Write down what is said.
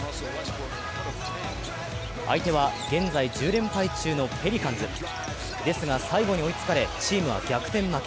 相手は現在１０連敗中のペリカンズ。ですが、最後に追いつかれ、チームは逆転負け。